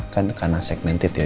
kan karena segmented ya